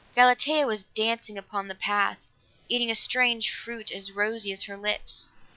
Galatea was dancing up the path, eating a strange fruit as rosy as her lips.